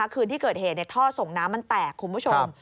คืนที่เกิดเหตุท่อส่งน้ำมันแตกคุณผู้ชม